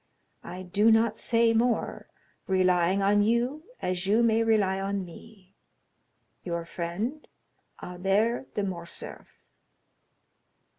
I do not say more, relying on you as you may rely on me. "Your friend, "Albert de Morcerf.